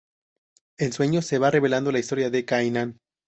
En sueños, se va revelando la historia de Kainan.